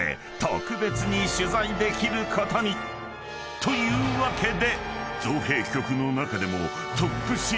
というわけで］